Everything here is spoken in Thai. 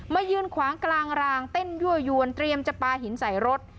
ยืนขวางกลางรางเต้นยั่วยวนเตรียมจะปลาหินใส่รถ